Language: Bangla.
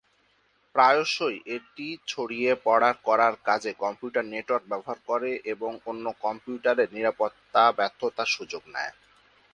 প্রায়শই এটি ছড়িয়ে পড়ার করার কাজে কম্পিউটার নেটওয়ার্ক ব্যবহার করে এবং অন্য কম্পিউটারের নিরাপত্তা ব্যর্থতার সুযোগ নেয়।